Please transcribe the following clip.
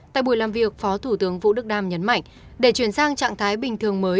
tại buổi làm việc phó thủ tướng vũ đức đam nhấn mạnh để chuyển sang trạng thái bình thường mới